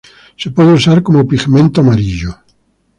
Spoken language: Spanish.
Se puede usar como pigmento amarillo.